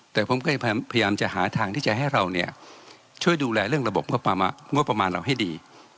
แต่ผมพยายามจะหาทางที่จะให้เราเนี่ยช่วยดูแลเรื่องระบบงบประมาณเราให้ดี